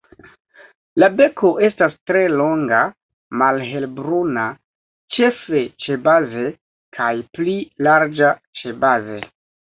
La beko estas tre longa, malhelbruna -ĉefe ĉebaze- kaj pli larĝa ĉebaze.